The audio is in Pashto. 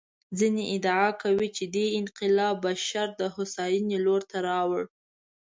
ځینې ادعا کوي چې دې انقلاب بشر د هوساینې لور ته راوړ.